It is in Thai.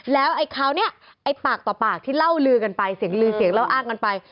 แล้วไอ้คราวนี้ไอ้ปากต่อปากที่เล่าลือกันไปเสียงลือเสียงเล่าอ้างกันไป